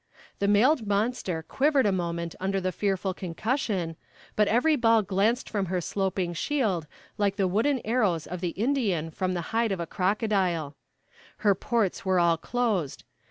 "The mailed monster quivered a moment under the fearful concussion, but every ball glanced from her sloping shield like the wooden arrows of the Indian from the hide of the crocodile. Her ports were all closed.